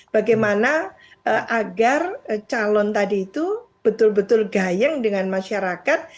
bagaimana agar calon tadi itu betul betul gayeng dengan masyarakat